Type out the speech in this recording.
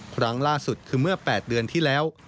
ครั้งล่าสุดคือเมื่อ๘เดือนที่แล้ว